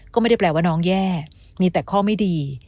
ก็ไม่ได้แปลว่าน้องแย่มีแต่ข้อไม่ดี